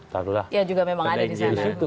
ya juga memang ada disana